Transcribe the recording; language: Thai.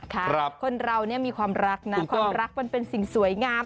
คนเราเนี่ยมีความรักนะความรักมันเป็นสิ่งสวยงาม